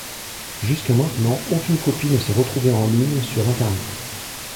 Jusque maintenant, aucune copie ne s'est retrouvée en ligne sur Internet.